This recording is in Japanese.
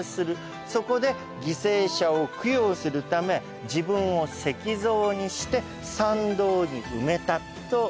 そこで犠牲者を供養するため自分を石像にして参道に埋めたといわれているわけなんです。